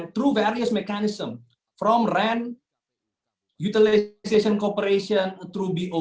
melalui mekanisme berbagai dari renta penggunaan korporasi melalui bot